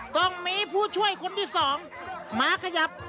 ต้องมีผู้ช่วยคนที่สองมาขยับ